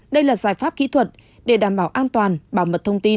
đây là giải pháp kỹ thuật để đảm bảo an toàn bảo mật thông tin